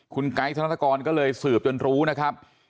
คุณไกด์ธนกรก็เลยสืบจนรู้นะครับ